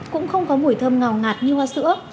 cũng không có mùi thơm ngào ngạt như hoa sữa